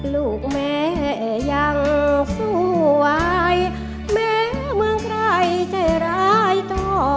ลูกแม่ยังสวยแม่เมื่อใครจะร้ายต่อ